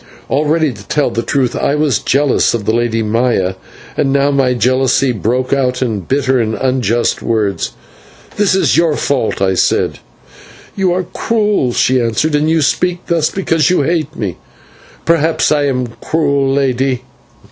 Already, to tell the truth, I was jealous of the Lady Maya, and now my jealousy broke out in bitter and unjust words. "This is your fault," I said. "You are cruel," she answered, "and you speak thus because you hate me." "Perhaps I am cruel, lady.